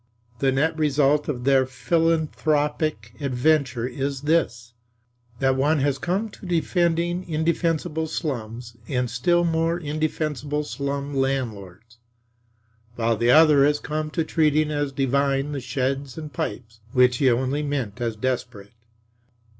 The net result of their philanthropic adventure is this: that one has come to defending indefensible slums and still more indefensible slum landlords, while the other has come to treating as divine the sheds and pipes which he only meant as desperate.